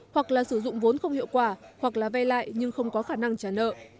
hoặc là sử dụng vốn không hiệu quả hoặc là vay lại nhưng không có khả năng trả nợ